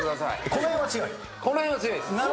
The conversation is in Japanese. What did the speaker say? この辺は強いです。